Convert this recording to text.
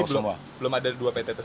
jadi belum ada dua pt tersebut